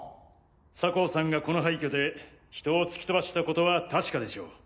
酒匂さんがこの廃墟で人を突き飛ばしたことは確かでしょう。